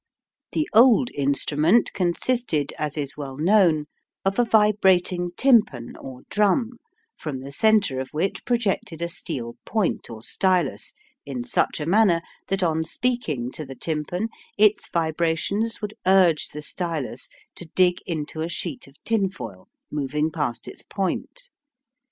The old instrument consisted, as is well known, of a vibrating tympan or drum, from the centre of which projected a steel point or stylus, in such a manner that on speaking to the tympan its vibrations would urge the stylus to dig into a sheet of tinfoil moving past its point.